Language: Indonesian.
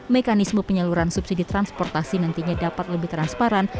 mekanisme penyaluran subsidi transportasi nantinya dapat lebih transparan